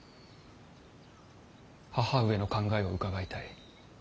母上の考えを伺いたい。